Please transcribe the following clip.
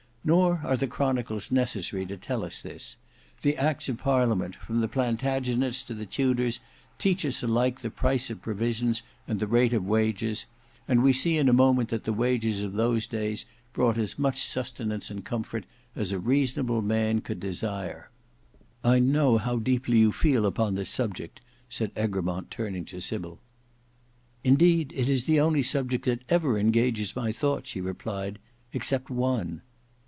Nor are the Chronicles necessary to tell us this. The acts of Parliament from the Plantagenets to the Tudors teach us alike the price of provisions and the rate of wages; and we see in a moment that the wages of those days brought as much sustenance and comfort as a reasonable man could desire." "I know how deeply you feel upon this subject," said Egremont turning to Sybil. "Indeed it is the only subject that ever engages my thought," she replied, "except one."